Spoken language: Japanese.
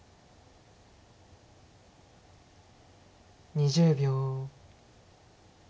２０秒。